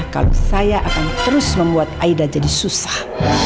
kalau saya akan terus membuat aida jadi susah